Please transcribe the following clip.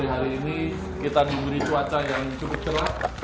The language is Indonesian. hari ini kita diberi cuaca yang cukup cerah